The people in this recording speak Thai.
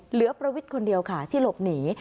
ประวิทย์คนเดียวค่ะที่หลบหนี